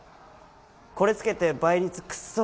これつけて倍率クソ